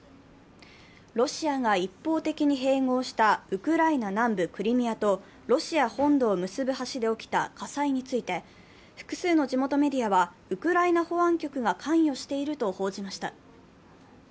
ロシアが一方的に併合したウクライナ南部クリミアとロシア本土を結ぶ橋で起きた火災について複数の地元メディアは、ウクライナ保安局が関与していると報じました。